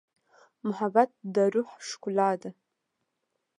محبت د روح ښکلا ده.